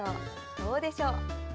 どうでしょう。